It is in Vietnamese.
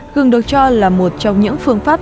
gừng được cho là một trong những phương pháp